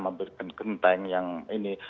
memberikan genteng yang ini